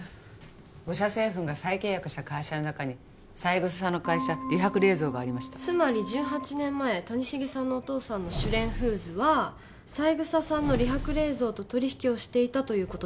五車製粉が再契約した会社の中に三枝さんの会社「理白冷蔵」がつまり１８年前谷繁さんのお父さんの朱蓮フーズは三枝さんの理白冷蔵と取引をしていたということ？